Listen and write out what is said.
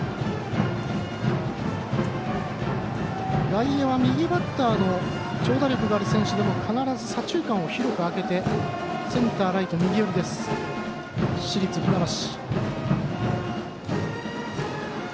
外野は右バッターの長打力のある選手でも必ず左中間を広く開けてセンター、ライト右寄りです、市立船橋。